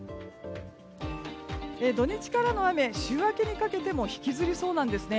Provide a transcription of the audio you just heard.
土日からの雨、週明けにかけても引きずりそうなんですね。